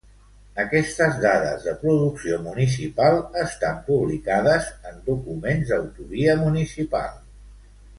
Aquestes dades de producció municipal estan publicades en documents d'autoria municipal.